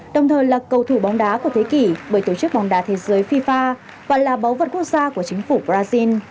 đồng thời là cầu thủ bóng đá của thế kỷ bởi tổ chức bóng đá thế giới fifa và là báu vật quốc gia của chính phủ brazil